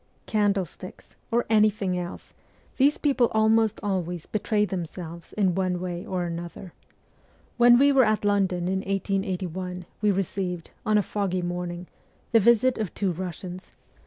Candlesticks, or anything else, these people almost always betray themselves in one way or another. When we were at London in 1881 we received, on a foggy morning, the visit of two Kussians.